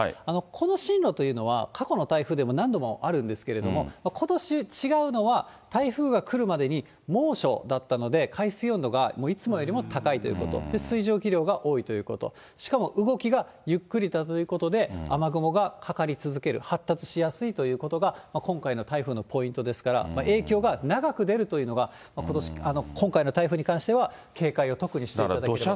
この進路というのは、過去の台風でも何度もあるんですけれども、ことし違うのは、台風が来るまでに猛暑だったので、海水温度がもういつもよりも高いということ、水蒸気量が多いということ、しかも動きがゆっくりだということで、雨雲がかかり続ける、発達しやすいということが、今回の台風のポイントですから、影響が長く出るというのが、今回の台風に関しては警戒を特にしていただければと思います。